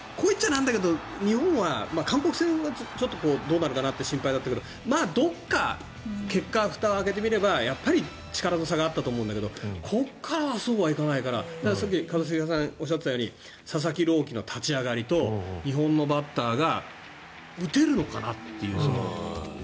なんだけど日本は、韓国戦はちょっとどうなるかって心配だったけど結果、ふたを開けてみればやっぱり力の差があったと思うんだけどここからはそうはいかないからさっき一茂さんがおっしゃっていたように佐々木朗希の立ち上がりと、日本のバッターが打てるのかなという。